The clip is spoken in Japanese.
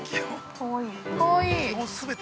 ◆かわいい。